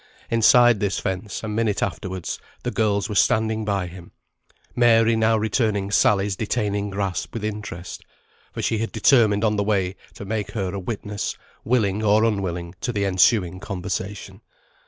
Inside this fence, a minute afterwards, the girls were standing by him; Mary now returning Sally's detaining grasp with interest, for she had determined on the way to make her a witness, willing or unwilling, to the ensuing conversation.